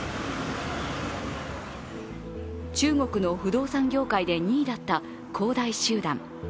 中国の不動産業界で２位だった恒大集団。